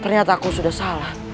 ternyata aku sudah salah